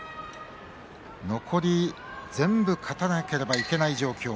残り全部勝たなければいけない状況。